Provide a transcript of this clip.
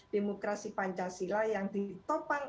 demokrasi pancasila yang ditopang